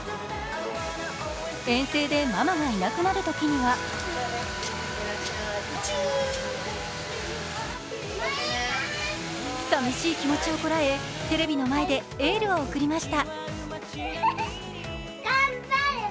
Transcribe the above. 遠征でママがいなくなるときにはさみしい気持ちをこらえテレビの前でエールを送りました。